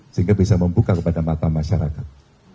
sehingga bisa membuka kepada mata masyarakat